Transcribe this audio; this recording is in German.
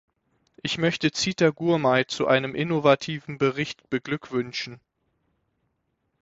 Ich möchte Zita Gurmai zu ihrem innovativen Bericht beglückwünschen.